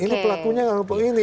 ini pelakunya kelompok ini